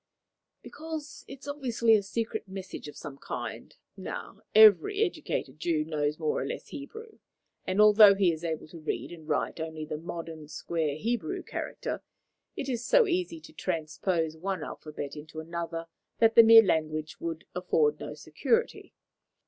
"Because it is obviously a secret message of some kind. Now, every educated Jew knows more or less Hebrew, and, although he is able to read and write only the modern square Hebrew character, it is so easy to transpose one alphabet into another that the mere language would afford no security.